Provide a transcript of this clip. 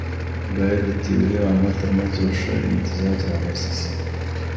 بايد د تيوري او عمل ترمنځ يو ښه امتزاج رامنځته سي.